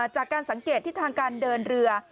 จากการสังเกตทิศทางการเดินเรือ